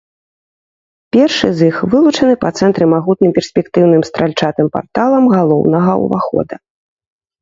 Першы з іх вылучаны па цэнтры магутным перспектыўным стральчатым парталам галоўнага ўвахода.